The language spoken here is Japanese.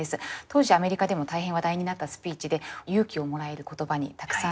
当時アメリカでも大変話題になったスピーチで勇気をもらえる言葉にたくさん出会えるスピーチなんです。